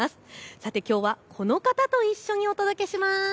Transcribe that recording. さてきょうはこの方と一緒にお届けします。